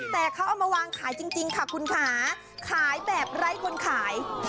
แต่เขาเอามาวางขายจริงค่ะคุณค่ะขายแบบไร้คนขาย